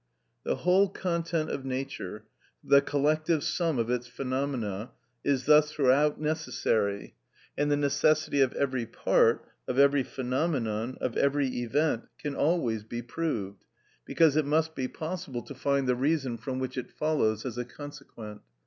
The whole content of Nature, the collective sum of its phenomena, is thus throughout necessary, and the necessity of every part, of every phenomenon, of every event, can always be proved, because it must be possible to find the reason from which it follows as a consequent.